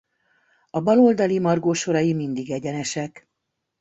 A bal oldali margó sorai mindig egyenesek.